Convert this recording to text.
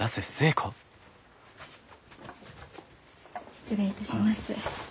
失礼いたします。